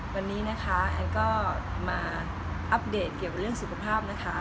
วันนี้นะคะแอนก็มาอัปเดตเกี่ยวกับเรื่องสุขภาพนะคะ